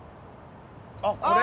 あっこれ？